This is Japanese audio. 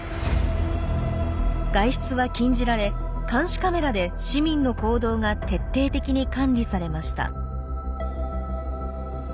外出は禁じられ監視カメラで市民の行動が徹底的に管理されました。